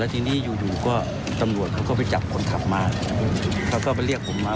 ทีนี้อยู่อยู่ก็ตำรวจเขาก็ไปจับคนขับมาเขาก็ไปเรียกผมมา